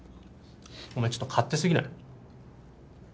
お前ちょっと勝手すぎない？